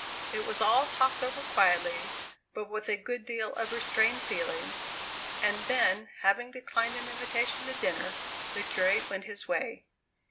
It was all talked over quietly, but with a good deal of restrained feeling; and, then, having declined an invitation to dinner, the curate went his way.